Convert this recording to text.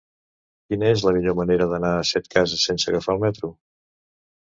Quina és la millor manera d'anar a Setcases sense agafar el metro?